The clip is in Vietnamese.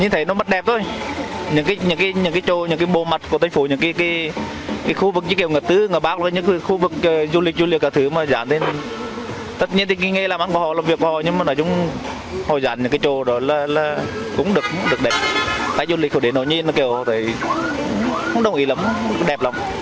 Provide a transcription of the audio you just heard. tại chúng hồi dặn những cái trồ đó là cũng được đẹp tại du lịch của đấy nó như kiểu không đồng ý lắm đẹp lắm